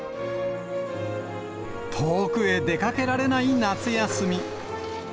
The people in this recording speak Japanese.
遠くへ出かけられない夏休み。